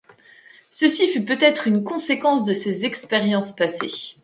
Ceci fut peut-être une conséquence de ses expériences passées.